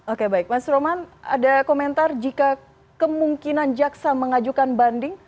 oke baik mas roman ada komentar jika kemungkinan jaksa mengajukan banding